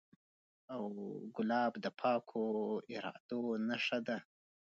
ګلاب د پاکو ارادو نښه ده.